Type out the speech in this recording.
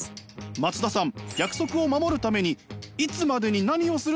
松田さん。